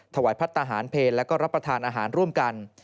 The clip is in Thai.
ถวายพัฒนาหารเพลและก็รับประทานอาหารร่วมกัน